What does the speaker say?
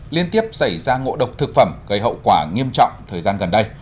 liên tiếp xảy ra ngộ độc thực phẩm gây hậu quả nghiêm trọng thời gian gần đây